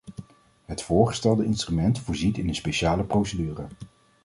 Het voorgestelde instrument voorziet in een speciale procedure.